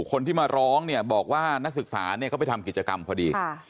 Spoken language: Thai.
คนที่มาร้องเนี่ยบอกว่านักศึกษาเนี่ยเขาไปทำกิจกรรมพอดี